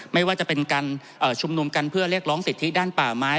ไม่ว่าจะเป็นการชุมนุมกันเพื่อเรียกร้องสิทธิด้านป่าไม้